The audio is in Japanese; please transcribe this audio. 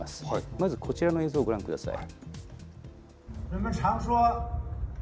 まずこちらの映像ご覧ください。